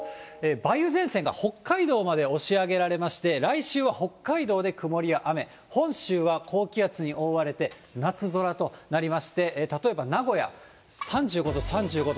梅雨前線が北海道まで押し上げられまして、来週は北海道で曇りや雨、本州は高気圧に覆われて夏空となりまして、例えば名古屋、３５度、３５度、３５度。